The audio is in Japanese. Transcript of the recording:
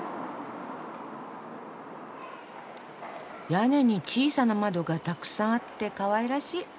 屋根に小さな窓がたくさんあってかわいらしい。